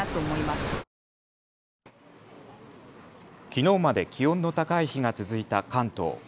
きのうまで気温の高い日が続いた関東。